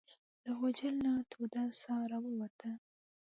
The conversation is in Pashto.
له غوجل نه توده ساه راووتله.